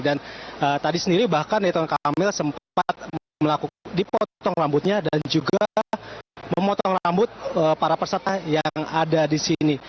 dan tadi sendiri bahkan ridwan kamil sempat melakukan dipotong rambutnya dan juga memotong rambut para peserta yang ada di sini